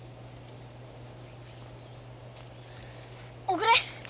おくれ。